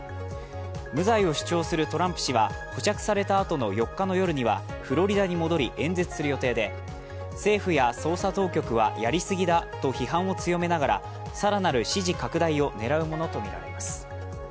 無罪を主張するトランプ氏は保釈された後の４日の夜にはフロリダに戻り演説する予定で、政府や捜査当局はやりすぎだと批判を強めながら更なる支持拡大を狙うものとみられます。